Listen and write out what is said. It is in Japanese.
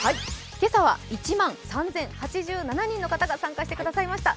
今朝は１万３０８７人の方が参加してくださいました。